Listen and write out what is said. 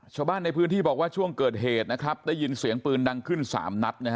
ชาวบ้านในพื้นที่บอกว่าช่วงเกิดเหตุนะครับได้ยินเสียงปืนดังขึ้น๓นัดนะฮะ